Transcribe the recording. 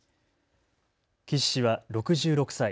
岸氏は６６歳。